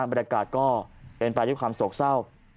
บรรยากาศก็เป็นไปด้วยความโศกเศร้า